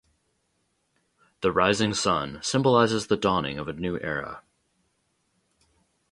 The rising sun symbolises the dawning of a new era.